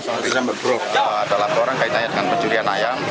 pertama kali saya berpura pura ada laporan kaitannya dengan pencurian ayam